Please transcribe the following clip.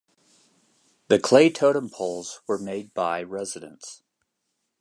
The clay totem poles were made by residents.